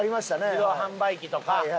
自動販売機とか。